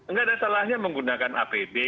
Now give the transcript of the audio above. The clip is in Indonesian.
nggak ada salahnya menggunakan apb